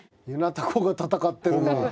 ゆなたこが戦ってるな。